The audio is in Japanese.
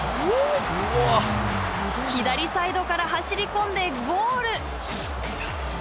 左サイドから走り込んでゴール！